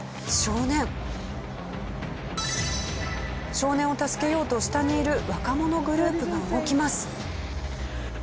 少年を助けようと下にいる若者グループが動きます。